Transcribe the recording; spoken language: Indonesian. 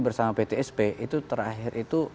bersama ptsp itu terakhir itu